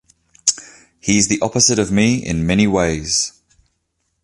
He's the opposite of me in many ways.